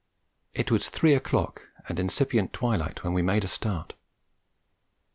It was three o'clock and incipient twilight when we made a start.